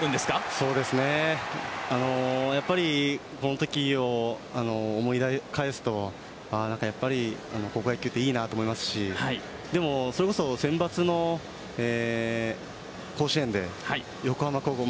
やはりこのときを思いかえすとやっぱり高校野球っていいなと思いますしでもそれこそセンバツの甲子園で、横浜高校